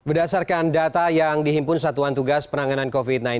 berdasarkan data yang dihimpun satuan tugas penanganan covid sembilan belas